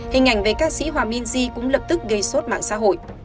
hình ảnh về ca sĩ hoa minh di cũng lập tức gây sốt mạng xã hội